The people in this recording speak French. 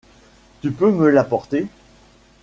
Tu peux me l’apporter ?